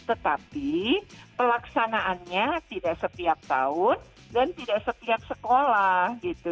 tetapi pelaksanaannya tidak setiap tahun dan tidak setiap sekolah gitu